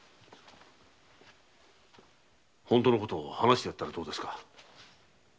本当のことを話してやったらどうですか。